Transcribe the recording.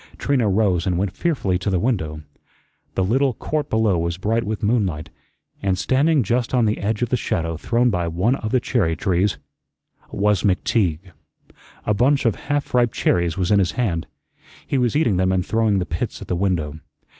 Trina rose and went fearfully to the window. The little court below was bright with moonlight, and standing just on the edge of the shadow thrown by one of the cherry trees was McTeague. A bunch of half ripe cherries was in his hand. He was eating them and throwing the pits at the window.